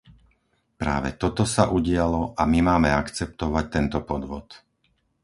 Práve toto sa udialo a my máme akceptovať tento podvod.